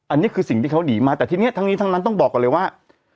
อันนี้คือสิ่งที่เขาหนีมาแต่ทีนี้ทั้งนี้ทั้งนั้นต้องบอกก่อนเลยว่า